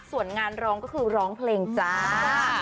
ส่วนงานร้องก็คือร้องเพลงจ้า